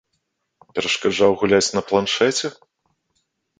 Перашкаджаў гуляць на планшэце?